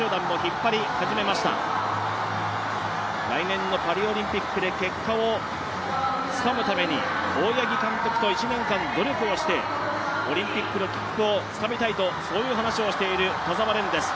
来年のパリオリンピックで結果をつかむために大八木監督と１年間努力をしてオリンピックの切符をつかみたいという話をしている田澤廉です。